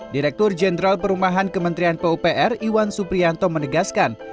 direktur jenderal perumahan kementerian pupr iwan suprianto menegaskan